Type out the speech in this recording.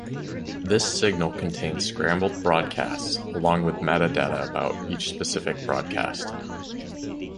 This signal contains scrambled broadcasts, along with meta data about each specific broadcast.